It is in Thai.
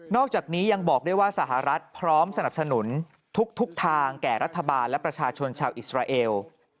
อกจากนี้ยังบอกได้ว่าสหรัฐพร้อมสนับสนุนทุกทางแก่รัฐบาลและประชาชนชาวอิสราเอล